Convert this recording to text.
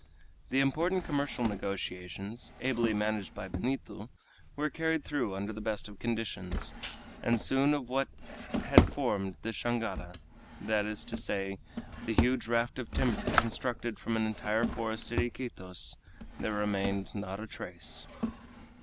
The important commercial negotiations, ably managed by Benito, were carried through under the best of conditions, and soon of what had formed this jangada that is to say, the huge raft of timber constructed from an entire forest at Iquitos there remained not a trace.